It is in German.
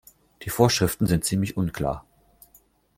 Die Vorschriften sind ziemlich unklar.